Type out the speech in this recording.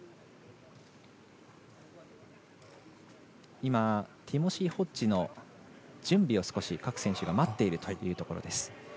今、ティモシー・ホッジの準備を各選手が待っているというところ。